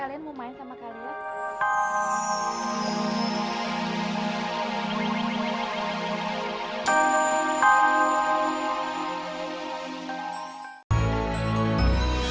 kalian mau main sama kalian